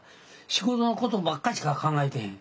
仕事のことばっかしか考えてへん。